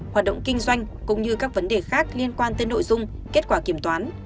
hoạt động kinh doanh cũng như các vấn đề khác liên quan tới nội dung kết quả kiểm toán